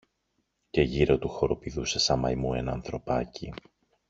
και γύρω του χοροπηδούσε σα μαϊμού ένα ανθρωπάκι